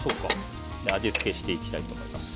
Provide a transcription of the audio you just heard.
味付けしていきたいと思います。